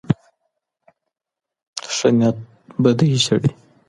ښه نيت بدۍ شړي.